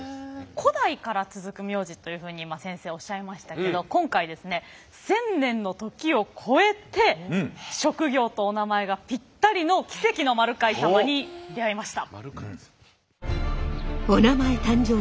古代から続く名字というふうに今先生おっしゃいましたけど今回ですね千年の時を超えて職業とおなまえがピッタリの奇跡の○飼サマに出会いました。